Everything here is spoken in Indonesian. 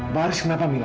pak haris kenapa mila